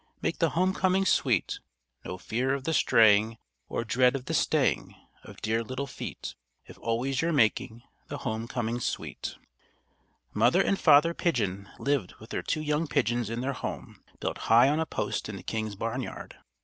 Make the home coming sweet! No fear of the straying, Or dread of the staying Of dear little feet, If always you're making The home coming sweet_. Mother and Father Pigeon lived with their two young pigeons in their home, built high on a post in the king's barnyard.